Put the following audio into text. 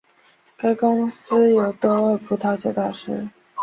该公司有多位葡萄酒大师。